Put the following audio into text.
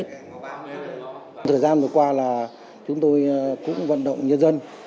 thời gian vừa qua là chúng tôi cũng vận động nhân dân